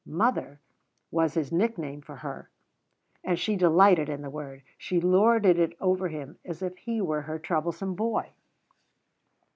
"Mother" was his nickname for her, and she delighted in the word. She lorded it over him as if he were her troublesome boy.